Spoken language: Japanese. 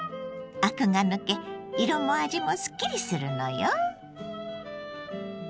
アクが抜け色も味もすっきりするのよ。